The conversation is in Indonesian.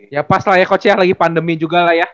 ya pas lah ya coach ya lagi pandemi juga lah ya